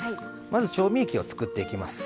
まず調味液を作っていきます。